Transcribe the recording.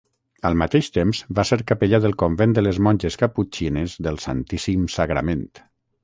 Al mateix temps va ser capellà del convent de les Monges caputxines del Santíssim Sagrament.